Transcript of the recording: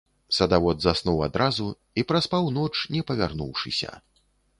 Садавод заснуў адразу і праспаў ноч, не павярнуўшыся.